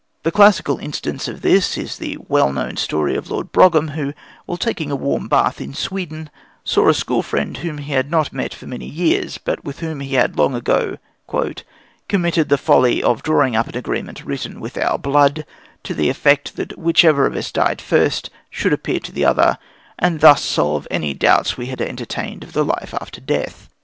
The classical instance of this is the well known story of Lord Brougham who, while taking a warm bath in Sweden, saw a school friend whom he had not met for many years, but with whom he had long ago "committed the folly of drawing up an agreement written with our blood, to the effect that whichever of us died first should appear to the other, and thus solve any doubts we had entertained of the life after death."